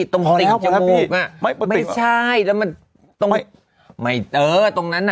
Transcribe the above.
ตรงติ่งจมูกน่ะไม่ไม่ใช่แล้วมันไม่ไม่เออตรงนั้นน่ะ